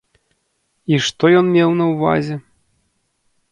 І што ён меў на ўвазе?